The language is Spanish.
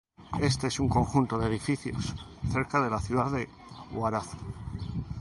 Este es un conjunto de edificios, cerca de la ciudad de Huaraz.